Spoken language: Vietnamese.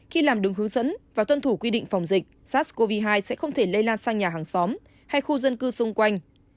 khi làm đường hướng dẫn và tuân thủ quy định phòng dịch sars cov hai sẽ không thể lây lan sang nhà hàng xóm hay khu dân cư xung quanh